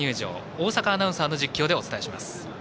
大坂アナウンサーの実況でお伝えします。